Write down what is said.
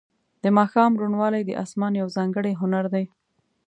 د ماښام روڼوالی د اسمان یو ځانګړی هنر دی.